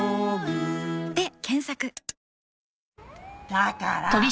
だから！